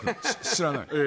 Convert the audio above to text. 知らない？